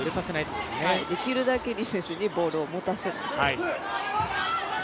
できるだけ、リ選手にボールを持たせない。